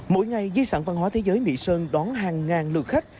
mỗi ngày di sản văn hóa thế giới mỹ sơn đón hàng ngàn lượt khách